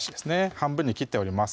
半分に切っております